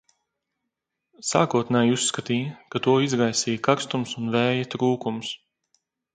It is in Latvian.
Sākotnēji uzskatīja, ka to izraisīja karstums un vēja trūkums.